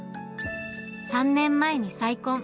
３年前に再婚。